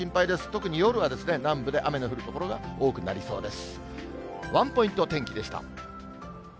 特に夜は南部で雨の降る所が多くなりそうです。